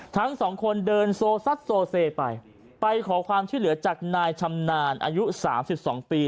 ทั้งสองคนเดินโซซัดโซเซไปไปขอความช่วยเหลือจากนายชำนาญอายุสามสิบสองปี